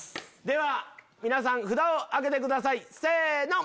では皆さん札を挙げてくださいせの。